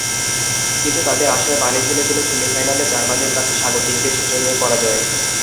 কিন্তু তাদের আশায় পানি ঢেলে দিল সেমিফাইনালে জার্মানির কাছে স্বাগতিকদের শোচনীয় পরাজয়।